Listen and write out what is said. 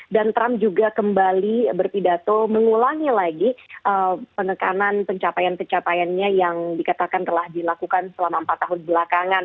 dan trump juga kembali berpidato mengulangi lagi penekanan pencapaian pencapaiannya yang dikatakan telah dilakukan selama empat tahun belakangan